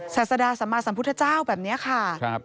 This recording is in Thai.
ศาสดาสัมมาสัมพุทธเจ้าแบบนี้ค่ะ